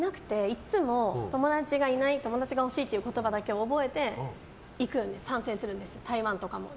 いつも友達がいない友達が欲しいっていう言葉だけを覚えて参戦するんですよ、台湾とかも。